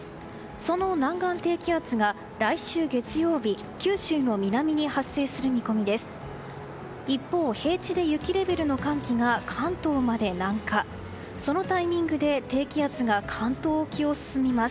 その南岸低気圧が、来週月曜日九州の南に発生する見込みです。